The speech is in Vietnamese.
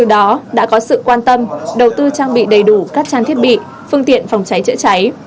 đã có sự quan tâm đầu tư trang bị đầy đủ các trang thiết bị phương tiện phòng cháy chữa cháy